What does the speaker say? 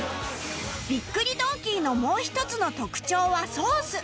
びっくりドンキーのもう一つの特徴はソース